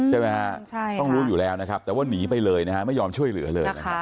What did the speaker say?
ถ้ารู้อยู่แล้วแต่ว่าหนีไปเลยไม่ยอมช่วยเหลือเลย